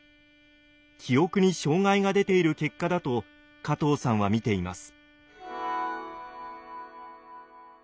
記憶に障害が出ている結果だと加藤さんは見ています。